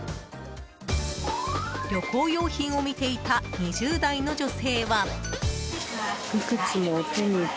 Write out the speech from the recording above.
旅行用品を見ていた２０代の女性は。